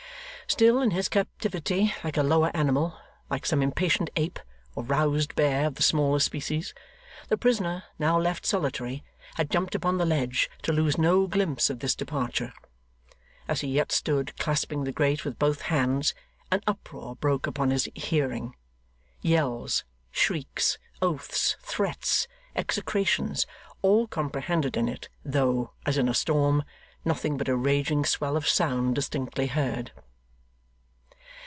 Still, in his captivity, like a lower animal like some impatient ape, or roused bear of the smaller species the prisoner, now left solitary, had jumped upon the ledge, to lose no glimpse of this departure. As he yet stood clasping the grate with both hands, an uproar broke upon his hearing; yells, shrieks, oaths, threats, execrations, all comprehended in it, though (as in a storm) nothing but a raging swell of sound distinctly heard.